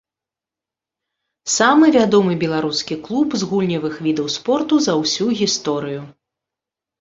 Самы вядомы беларускі клуб з гульнявых відаў спорту за ўсю гісторыю.